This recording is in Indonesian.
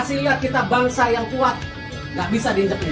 kasih lihat kita bangsa yang kuat gak bisa diinjak injak